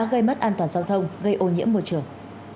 gây mất an toàn giao thông gây ô nhiễm môi trường